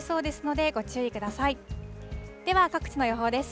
では、各地の予報です。